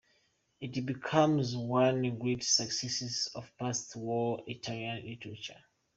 It became one of the great successes of post-war Italian literature.